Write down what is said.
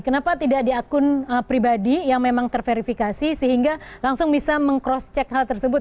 kenapa tidak di akun pribadi yang memang terverifikasi sehingga langsung bisa meng cross check hal tersebut